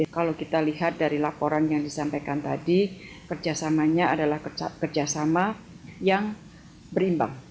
kalau kita lihat dari laporan yang disampaikan tadi kerjasamanya adalah kerjasama yang berimbang